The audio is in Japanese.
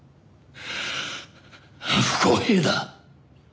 不公平だ。